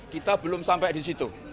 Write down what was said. kita belum sampai di situ